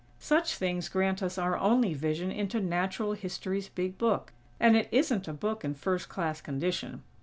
Such things grant us our only vision into Natural History's big book; and it isn't a book in first class condition.